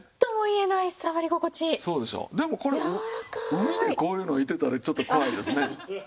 海でこういうのいてたらちょっと怖いですね。